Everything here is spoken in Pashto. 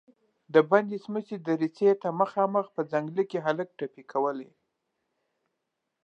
د بندې سمڅې دريڅې ته مخامخ په ځنګله کې هلک ټپې کولې.